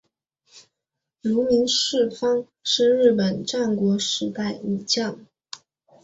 芦名氏方是日本战国时代武将。